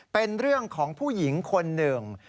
เป็นเรื่องของผู้หญิงคนหนึ่ง